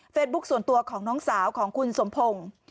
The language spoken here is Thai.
ส่วนตัวของน้องสาวของคุณสมพงศ์